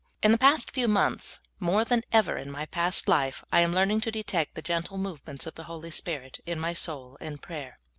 In the past few months, more than ever in my past life, I am learning to detect the gentle movements of the Holy Spirit in my soul in pra3'er.